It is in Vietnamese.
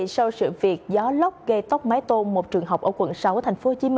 sau sự việc gió lốc gây tóc mái tôn một trường học ở quận sáu tp hcm